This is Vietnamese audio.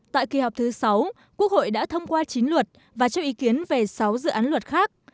tại kỳ họp thứ sáu quốc hội đã thông qua chín luật và cho ý kiến về sáu dự án luật khác